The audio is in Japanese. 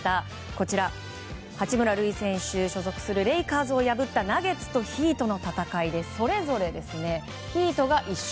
こちら、八村塁選手が所属するレイカーズを破ったナゲッツとヒートの戦いでそれぞれ、ヒートが１勝